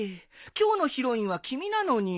今日のヒロインは君なのに。